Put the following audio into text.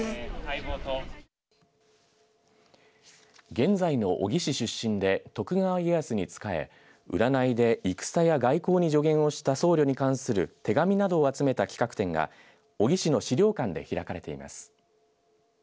現在の小城市出身で徳川家康に仕え占いで戦や外交に助言をした僧侶に関する手紙などを集めた企画展が小城市の資料館で開かれています。